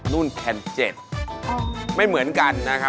สวัสดีครับ